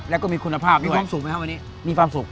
แล้วก็มีคุณภาพมีความสุขไหมครับวันนี้มีความสุข